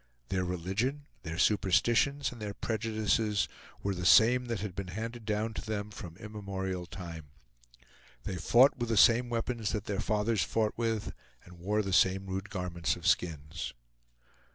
Their religion, their superstitions, and their prejudices were the same that had been handed down to them from immemorial time. They fought with the same weapons that their fathers fought with and wore the same rude garments of skins.